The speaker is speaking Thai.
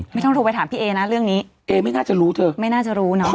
ไม่ต้องโทรไปถามพี่เอนะเรื่องนี้เอไม่น่าจะรู้เธอไม่น่าจะรู้เนอะ